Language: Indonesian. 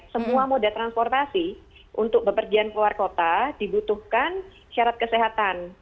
semua moda transportasi untuk bepergian keluar kota dibutuhkan syarat kesehatan